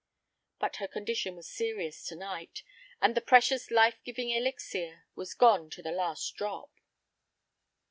But her condition was serious to night, and the precious life giving elixir was gone to the last drop.